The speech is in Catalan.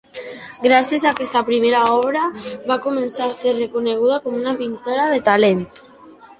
Gràcies a aquesta primera obra va començar a ser reconeguda com una pintora de talent.